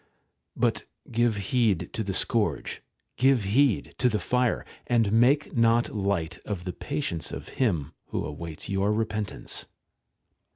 But give heed to the scourge, give heed to the fire ; and make not\ light of the patience of Him who awaits your repentance.